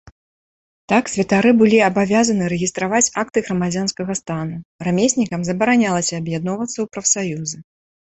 Так, святары былі абавязаны рэгістраваць акты грамадзянскага стану, рамеснікам забаранялася аб'ядноўвацца ў прафсаюзы.